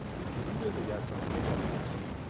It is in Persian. حدود دگرسانی بارومتری